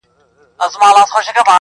نن په ګودرونو کي د وینو رنګ کرلی دی-